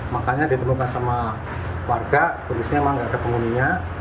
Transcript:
makanya ditemukan sama warga kondisinya memang tidak ada penghuninya